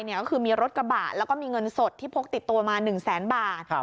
ก็คือมีรถกระบะแล้วก็มีเงินสดที่พกติดตัวมา๑แสนบาท